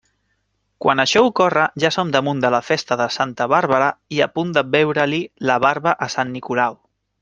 Quan això ocorre, ja som damunt de la festa de Santa Bàrbara i a punt de veure-li la barba a sant Nicolau.